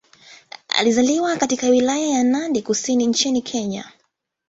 Alizaliwa katika Wilaya ya Nandi Kusini nchini Kenya.